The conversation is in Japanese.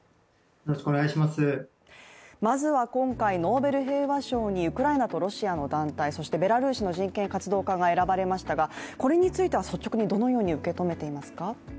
まずは今回ノーベル平和賞にウクライナとロシアの団体そしてベラルーシの人権活動家が選ばれましたがこれについては率直にどのように受け止めていますか？